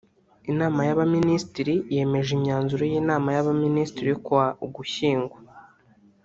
Inama y’Abaminisitiri yemeje imyanzuro y’Inama y’Abaminisitiri yo kuwa Ugushyingo